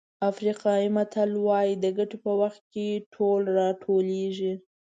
افریقایي متل وایي د ګټې په وخت ټول راټولېږي.